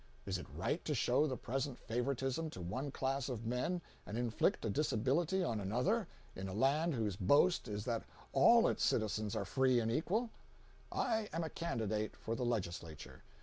Is it right to show the present favoritism to one class of men and inflict a disability on another, in a land whose boast is that all its citizens are free and equal? I am a candidate for the legislature.